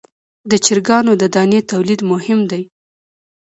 د چرګانو د دانې تولید مهم دی